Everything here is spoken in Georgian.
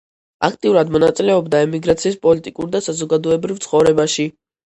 აქტიურად მონაწილეობდა ემიგრაციის პოლიტიკურ და საზოგადოებრივ ცხოვრებაში.